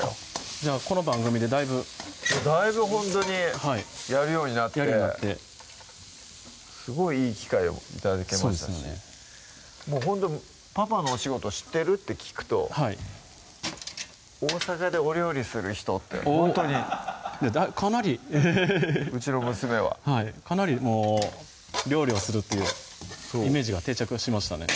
じゃあこの番組でだいぶだいぶほんとにやるようになってすごいいい機会を頂けましたしもうほんと「パパのお仕事知ってる？」って聞くと「大阪でお料理する人」ってほんとにかなりうちの娘はかなり料理をするっていうイメージが定着しましたね